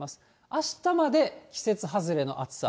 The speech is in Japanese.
あしたまで季節外れの暑さ。